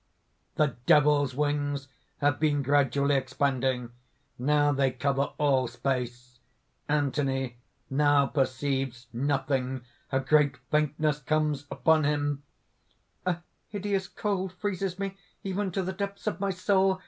(The Devil's wings have been gradually expanding: now they cover all space.) ANTHONY (now perceives nothing: a great faintness comes upon him): "A hideous cold freezes me, even to the depths of my soul!